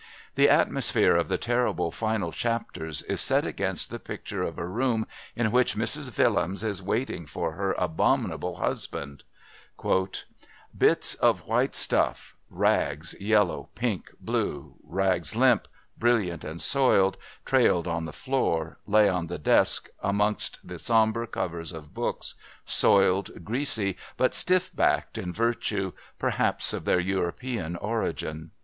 The atmosphere of the terrible final chapters is set against this picture of a room in which Mrs Willems is waiting for her abominable husband: "Bits of white stuff; rags yellow, pink, blue; rags limp, brilliant and soiled, trailed on the floor, lay on the desk amongst the sombre covers of books soiled, greasy, but stiff backed in virtue, perhaps, of their European origin.